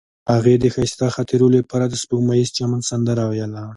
هغې د ښایسته خاطرو لپاره د سپوږمیز چمن سندره ویله.